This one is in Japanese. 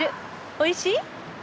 おいしい？